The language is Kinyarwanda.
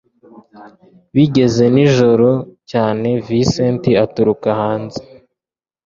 bigeze nijoro cyane Vincent aturuka hanze